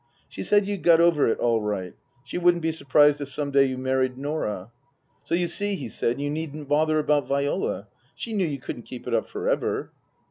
She said you'd got over it all right. She wouldn't be surprised if some day you married Norah. " So you see," he said, " you needn't bother about Viola. She knew you couldn't keep it up for ever."